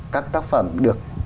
các tác phẩm được